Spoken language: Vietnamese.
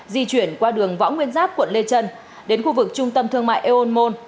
di chuyển qua đường võ nguyên giáp quận lê trân đến khu vực trung tâm thương mại eon môn